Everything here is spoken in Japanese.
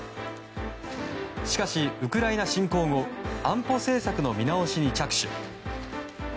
しかし、ウクライナ侵攻後安保政策の見直しに着手。